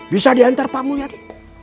bisa diantar pak mulia di